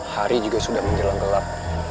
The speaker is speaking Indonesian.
hari juga sudah menjelang gelap